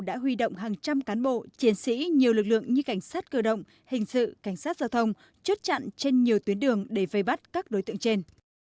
đã huy động hàng trăm cán bộ chiến sĩ nhiều lực lượng như cảnh sát cơ động hình sự cảnh sát giao thông chốt chặn trên nhiều tuyến đường để vây bắt các đối tượng trên